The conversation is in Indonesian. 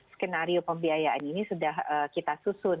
skenario pembiayaan ini sudah kita susun